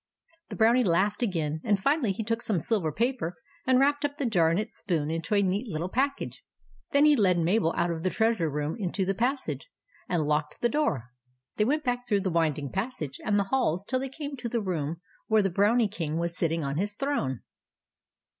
The Brownie laughed again; and finally he took some silver paper and wrapped up the jar and its spoon into a neat little pack THE BROWNIE JELLY 199 age. Then he led Mabel out of the Treasure Room into the passage, and locked the door. They went back through the wind ing passage and the halls till they came to the room where the Brownie King was sitting on his throne.